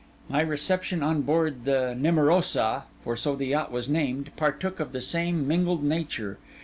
My reception on board the Nemorosa (for so the yacht was named) partook of the same mingled nature.